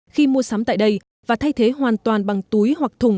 khi mua sắm tại đây và thay thế hoàn toàn bằng túi hoặc thùng